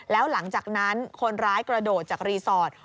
แล้วหลังจากนั้นคนร้ายกระโดดจากรีสอร์ท